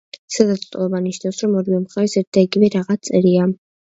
სადაც ტოლობა ნიშნავს, რომ ორივე მხარეს ერთი და იგივე რაღაც წერია.